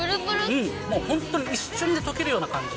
もう本当に一瞬で溶けるような感じ。